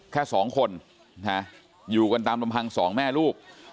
แค่๒คนอยู่กันตามธรรมฮัง๒แม่ลูก